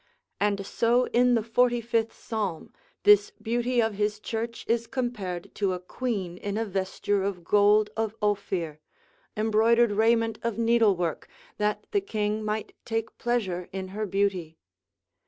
And so in the xlv. Psalm this beauty of his church is compared to a queen in a vesture of gold of Ophir, embroidered raiment of needlework, that the king might take pleasure in her beauty.